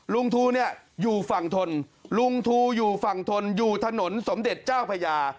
ลุงทูเนี่ยอยู่ฝั่งทนลุงทูอยู่ฝั่งทนอยู่ถนนสมเด็จเจ้าพญา